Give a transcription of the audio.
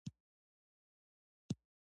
آیا ګودر د پښتو شعرونو کې ډیر نه دی یاد شوی؟